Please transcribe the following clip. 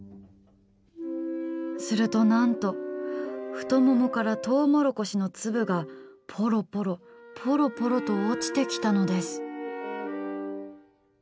するとなんと、太ももからとうもろこしの粒がポロポロポロポロと落ちてきたのです。